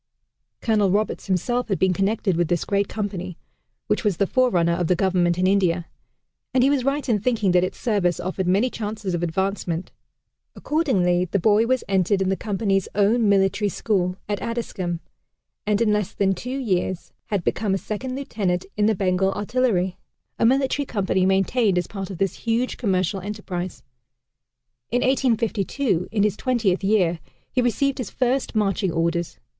Colonel Roberts himself had been connected with this great company, which was the forerunner of the Government in India and he was right in thinking that its service offered many chances of advancement. Accordingly the boy was entered in the Company's own military school, at Addiscombe; and in less than two years had become a second lieutenant in the Bengal Artillery a military company maintained as part of this huge commercial enterprise. In 1852, in his twentieth year, he received his first marching orders.